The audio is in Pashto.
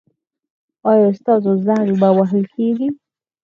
ایا ستاسو زنګ به وهل کیږي؟